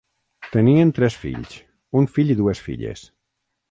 Tenien tres fills, un fill i dues filles.